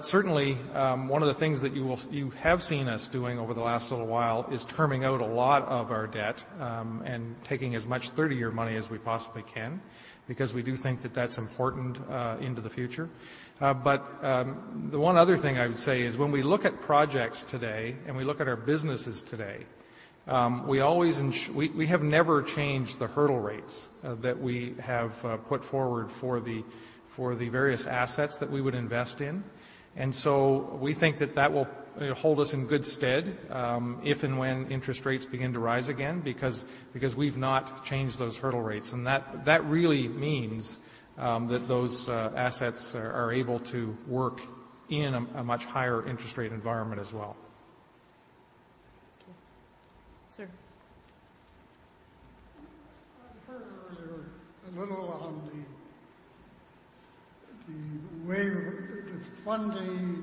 Speaker 10: Certainly, one of the things that you have seen us doing over the last little while is terming out a lot of our debt and taking as much 30-year money as we possibly can because we do think that that's important into the future. The one other thing I would say is when we look at projects today and we look at our businesses today, we have never changed the hurdle rates that we have put forward for the various assets that we would invest in. We think that that will hold us in good stead if and when interest rates begin to rise again because we've not changed those hurdle rates, and that really means that those assets are able to work in a much higher interest rate environment as well.
Speaker 2: Okay. Sir.
Speaker 15: I heard earlier a little on the wave, the Fundy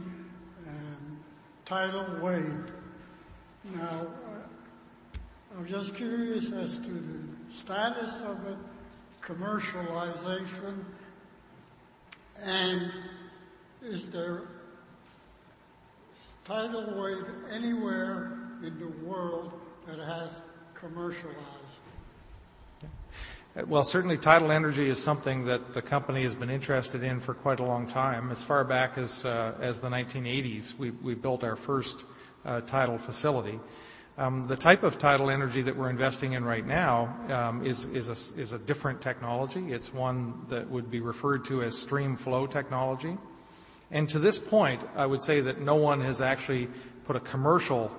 Speaker 15: and tidal wave. Now, I'm just curious as to the status of it, commercialization, and is there tidal wave anywhere in the world that has commercialized?
Speaker 10: Well, certainly tidal energy is something that the company has been interested in for quite a long time, as far back as the 1980s, we built our first tidal facility. The type of tidal energy that we're investing in right now is a different technology. It's one that would be referred to as Stream Flow technology. To this point, I would say that no one has actually put a commercial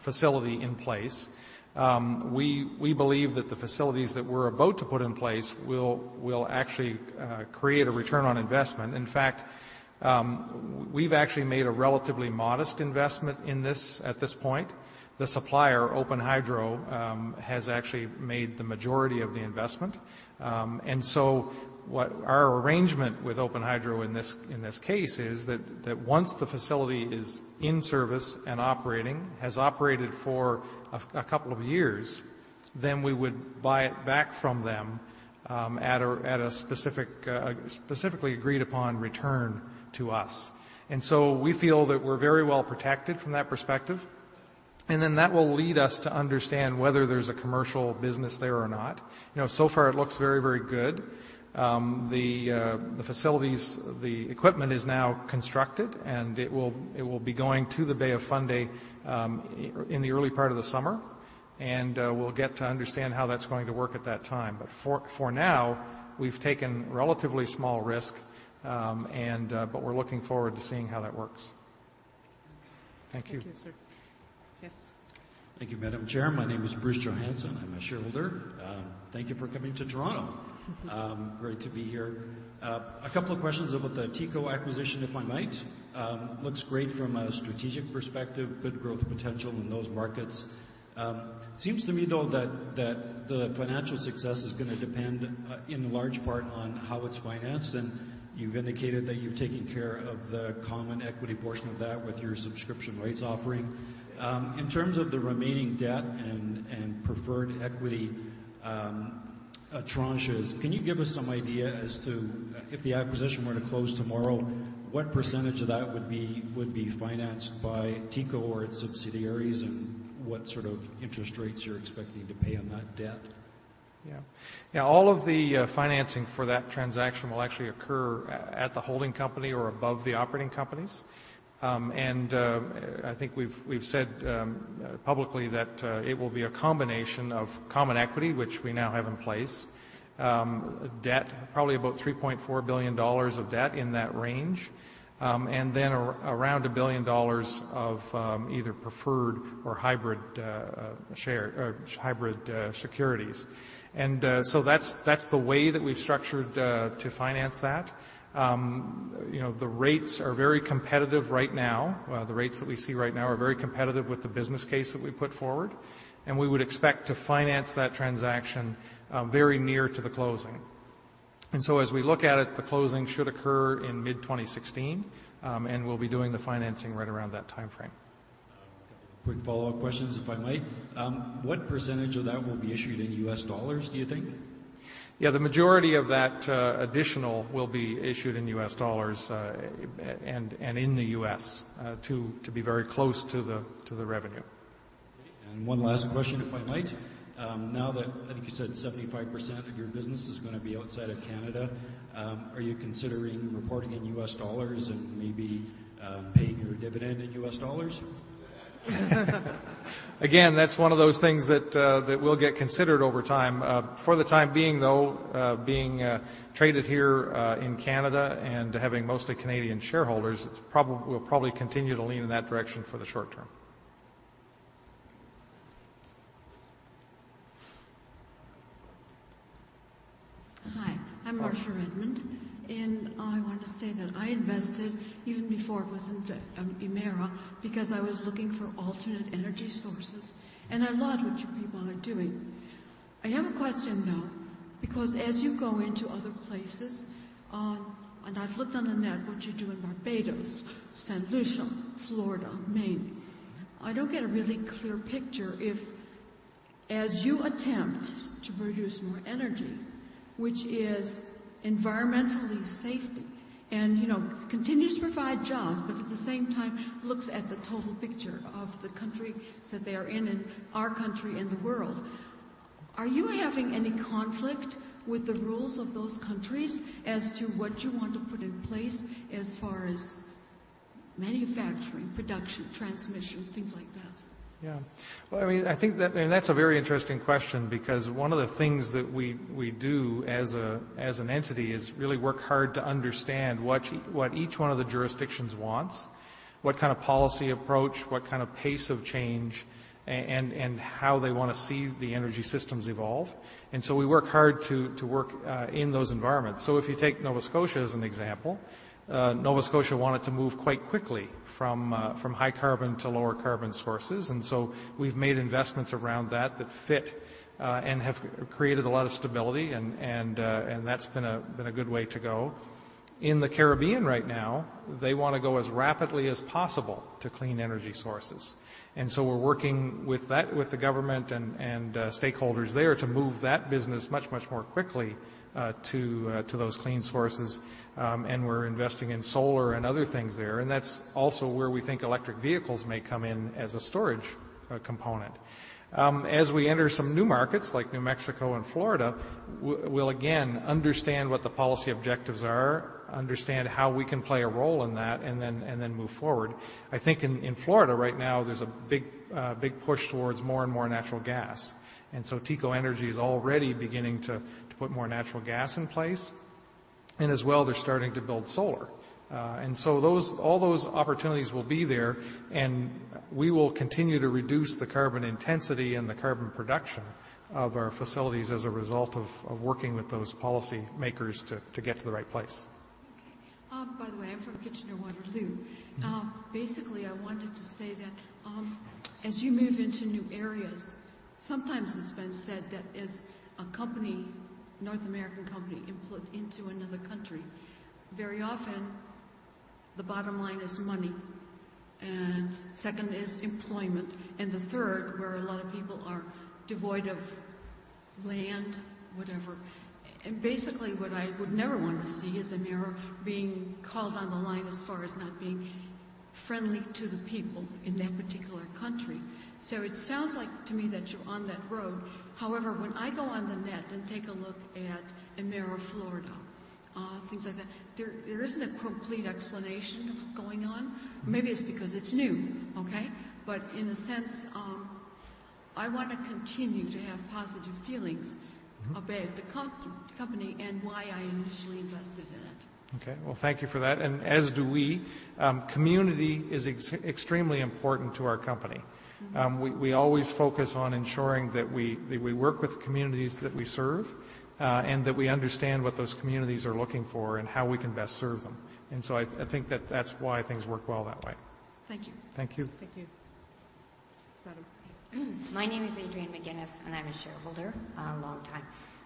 Speaker 10: facility in place. We believe that the facilities that we're about to put in place will actually create a return on investment. In fact, we've actually made a relatively modest investment in this at this point. The supplier, OpenHydro, has actually made the majority of the investment. What our arrangement with OpenHydro in this case is that once the facility is in service and operating, has operated for a couple of years, then we would buy it back from them at a specifically agreed-upon return to us. We feel that we're very well protected from that perspective. Then that will lead us to understand whether there's a commercial business there or not. So far it looks very, very good. The equipment is now constructed, and it will be going to the Bay of Fundy in the early part of the summer, and we'll get to understand how that's going to work at that time. For now, we've taken relatively small risk, but we're looking forward to seeing how that works. Thank you.
Speaker 2: Thank you, sir. Yes.
Speaker 16: Thank you, Madam Chair. My name is Bruce Johansen. I'm a shareholder. Thank you for coming to Toronto. Great to be here. A couple of questions about the TECO acquisition, if I might. Looks great from a strategic perspective, good growth potential in those markets. Seems to me, though, that the financial success is going to depend in large part on how it's financed, and you've indicated that you've taken care of the common equity portion of that with your subscription rates offering. In terms of the remaining debt and preferred equity tranches, can you give us some idea as to if the acquisition were to close tomorrow, what percentage of that would be financed by TECO or its subsidiaries, and what sort of interest rates you're expecting to pay on that debt?
Speaker 10: Yeah. All of the financing for that transaction will actually occur at the holding company or above the operating companies. I think we've said publicly that it will be a combination of common equity, which we now have in place, probably about $3.4 billion of debt, in that range, and then around $1 billion of either preferred or hybrid securities. That's the way that we've structured to finance that. The rates are very competitive right now. The rates that we see right now are very competitive with the business case that we put forward, and we would expect to finance that transaction very near to the closing. As we look at it, the closing should occur in mid-2016, and we'll be doing the financing right around that timeframe.
Speaker 16: Quick follow-up questions, if I might. What percentage of that will be issued in U.S. dollars, do you think?
Speaker 10: Yeah, the majority of that additional will be issued in U.S. dollars and in the U.S. to be very close to the revenue.
Speaker 16: Okay. One last question, if I might. Now that I think you said 75% of your business is going to be outside of Canada, are you considering reporting in U.S. dollars and maybe paying your dividend in U.S. dollars?
Speaker 10: Again, that's one of those things that will get considered over time. For the time being, though being traded here in Canada and having mostly Canadian shareholders, we'll probably continue to lean in that direction for the short term.
Speaker 17: Hi, I'm Marsha Redmond, and I want to say that I invested even before it was Emera because I was looking for alternative energy sources, and I love what you people are doing. I have a question, though, because as you go into other places, and I've looked on the net, what you do in Barbados, Saint Lucia, Florida, Maine. I don't get a really clear picture if as you attempt to produce more energy, which is environmentally safe and continues to provide jobs, but at the same time looks at the total picture of the countries that they are in and our country and the world. Are you having any conflict with the rules of those countries as to what you want to put in place as far as manufacturing, production, transmission, things like that?
Speaker 10: Yeah. I think that's a very interesting question because one of the things that we do as an entity is really work hard to understand what each one of the jurisdictions wants, what kind of policy approach, what kind of pace of change, and how they want to see the energy systems evolve. We work hard to work in those environments. If you take Nova Scotia as an example, Nova Scotia wanted to move quite quickly from high carbon to lower carbon sources. We've made investments around that that fit, and have created a lot of stability and that's been a good way to go. In the Caribbean right now, they want to go as rapidly as possible to clean energy sources. We're working with the government and stakeholders there to move that business much, much more quickly to those clean sources, and we're investing in solar and other things there, and that's also where we think electric vehicles may come in as a storage component. As we enter some new markets like New Mexico and Florida, we'll again understand what the policy objectives are, understand how we can play a role in that, and then move forward. I think in Florida right now, there's a big push towards more and more natural gas. TECO Energy is already beginning to put more natural gas in place. As well, they're starting to build solar. All those opportunities will be there, and we will continue to reduce the carbon intensity and the carbon production of our facilities as a result of working with those policy makers to get to the right place.
Speaker 17: Okay. By the way, I'm from Kitchener, Waterloo. Basically, I wanted to say that as you move into new areas, sometimes it's been said that as a North American company into another country, very often the bottom line is money, and second is employment, and the third, where a lot of people are devoid of land, whatever. Basically what I would never want to see is Emera being called on the line as far as not being friendly to the people in that particular country. It sounds like to me that you're on that road. However, when I go on the net and take a look at Emera Florida, things like that, there isn't a complete explanation of what's going on. Maybe it's because it's new. Okay? In a sense, I want to continue to have positive feelings about the company and why I initially invested in it.
Speaker 10: Okay. Well, thank you for that, and as do we. Community is extremely important to our company. We always focus on ensuring that we work with the communities that we serve, and that we understand what those communities are looking for and how we can best serve them. I think that's why things work well that way.
Speaker 17: Thank you.
Speaker 10: Thank you.
Speaker 2: Thank you. This madam.
Speaker 18: My name is Adrienne McGinnis, and I'm a shareholder, long time.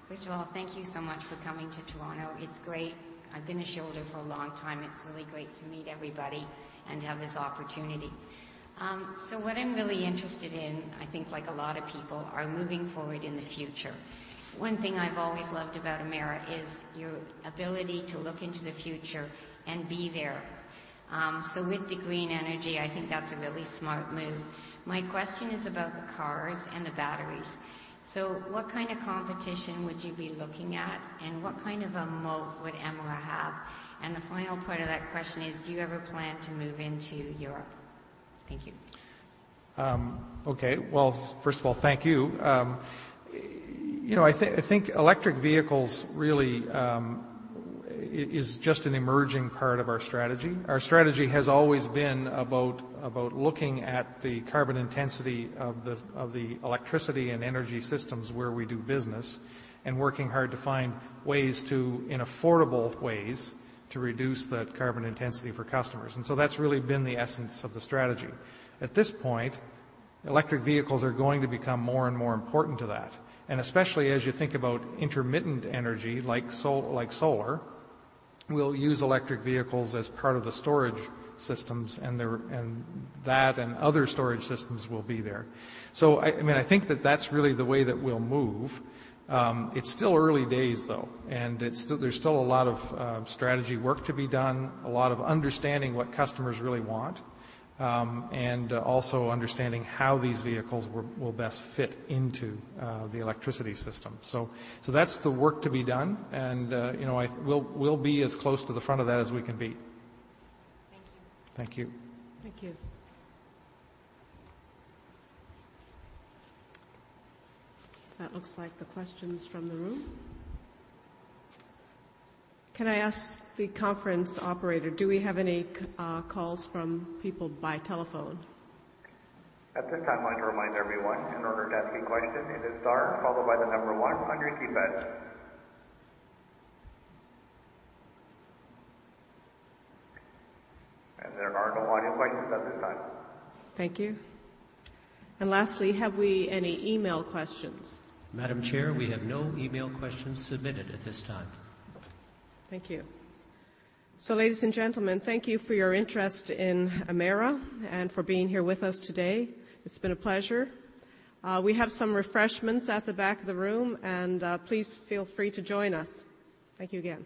Speaker 18: First of all, thank you so much for coming to Toronto. It's great. I've been a shareholder for a long time. It's really great to meet everybody and have this opportunity. What I'm really interested in, I think like a lot of people, are moving forward in the future. One thing I've always loved about Emera is your ability to look into the future and be there. With the green energy, I think that's a really smart move. My question is about the cars and the batteries. What kind of competition would you be looking at, and what kind of a moat would Emera have? The final part of that question is, do you ever plan to move into Europe? Thank you.
Speaker 10: Okay. Well, first of all, thank you. I think electric vehicles really is just an emerging part of our strategy. Our strategy has always been about looking at the carbon intensity of the electricity and energy systems where we do business and working hard to find ways to, in affordable ways, to reduce that carbon intensity for customers. That's really been the essence of the strategy. At this point, electric vehicles are going to become more and more important to that. Especially as you think about intermittent energy like solar, we'll use electric vehicles as part of the storage systems, and that and other storage systems will be there. I think that that's really the way that we'll move. It's still early days, though. There's still a lot of strategy work to be done, a lot of understanding what customers really want, and also understanding how these vehicles will best fit into the electricity system. That's the work to be done, and we'll be as close to the front of that as we can be.
Speaker 18: Thank you.
Speaker 10: Thank you.
Speaker 2: Thank you. That looks like the questions from the room. Can I ask the conference operator, do we have any calls from people by telephone?
Speaker 1: At this time, I'd like to remind everyone, in order to ask a question, it is star followed by the number one on your keypads. There are no audio questions at this time.
Speaker 2: Thank you. Lastly, have we any email questions?
Speaker 7: Madam Chair, we have no email questions submitted at this time.
Speaker 2: Thank you. Ladies and gentlemen, thank you for your interest in Emera and for being here with us today. It's been a pleasure. We have some refreshments at the back of the room, and please feel free to join us. Thank you again.